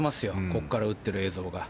ここから打ってる映像が。